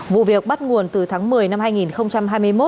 vụ việc bắt nguồn từ tháng một mươi năm hai nghìn hai mươi một